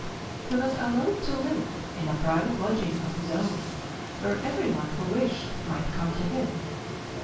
He was allowed to live in a private lodging of his own, where everyone who wished might come to him.